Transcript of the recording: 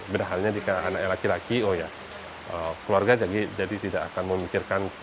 padahal jika anaknya laki laki keluarga tak akan memikirkan